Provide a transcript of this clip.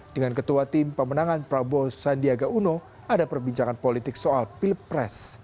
dengan ketua tim pemenangan prabowo sandiaga uno ada perbincangan politik soal pilpres